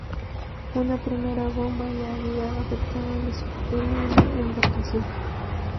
Una primera bomba ya había afectado la estructura de la embarcación.